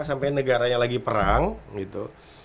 sampai negaranya lagi perang gitu